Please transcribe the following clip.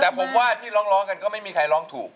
แต่ผมว่าที่ร้องกันก็ไม่มีใครร้องถูก